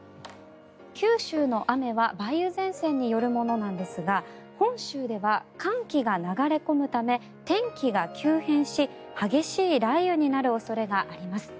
九州の雨は梅雨前線によるものなんですが本州では寒気が流れ込むため天気が急変し激しい雷雨になる恐れがあります。